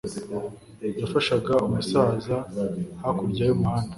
yafashaga umusaza hakurya y'umuhanda